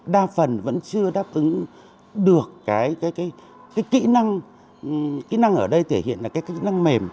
đa phần vẫn chưa đáp ứng được cái kỹ năng kỹ năng ở đây thể hiện là cái kỹ năng mềm